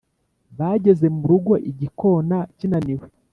bageze mu rugo, igikona kinaniwe